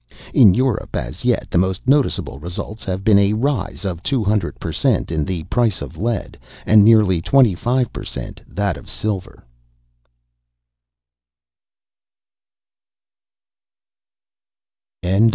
In Europe, as yet, the most noticeable results have been a rise of two hundred per cent. in the price of lead, and nearly twenty five per cent. that of silver.